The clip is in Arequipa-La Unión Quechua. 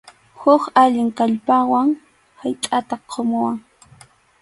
Huk allin kallpawan haytʼata qumuwan.